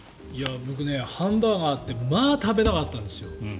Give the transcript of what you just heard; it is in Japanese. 僕、ハンバーガーってまあ食べなかったんですよ。